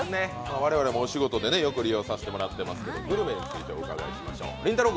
我々もお仕事でよく利用させてもらってますけどグルメについてお伺いしましょう。